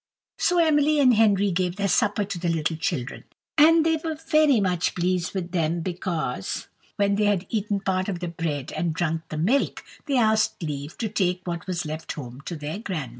So Emily and Henry gave their supper to the little children; and they were very much pleased with them, because, when they had eaten part of the bread and drunk the milk, they asked leave to take what was left home to their grandmother.